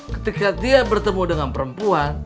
ketika dia bertemu dengan perempuan